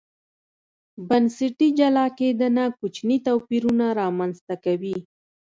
بنسټي جلا کېدنه کوچني توپیرونه رامنځته کوي.